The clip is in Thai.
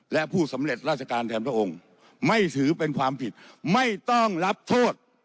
และผู้สำเร็จราชการแทนพระองค์ไม่ถือเป็นความผิดไม่ต้องรับโทษ